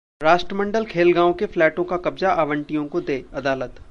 राष्ट्रमंडल खेलगांव के फ्लैटों का कब्जा आवंटियों को दे: अदालत